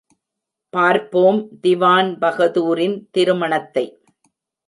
பார்ப்போம் திவான்பகதூரின் திருமணத்தை.